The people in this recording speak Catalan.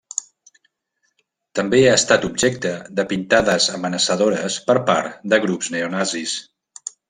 També ha estat objecte de pintades amenaçadores per part de grups neonazis.